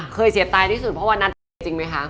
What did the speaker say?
เคยเสียบตายที่สุดเพราะว่านั้นจริงมั้ยคะ